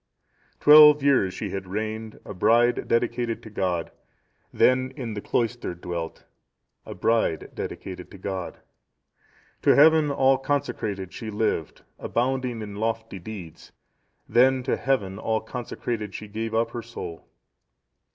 "Twelve years(671) she had reigned, a bride dedicated to God, then in the cloister dwelt, a bride dedicated to God. "To Heaven all consecrated she lived, abounding in lofty deeds, then to Heaven all consecrated she gave up her soul.